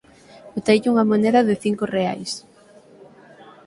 boteille unha moeda de cinco reais